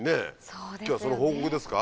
今日はその報告ですか？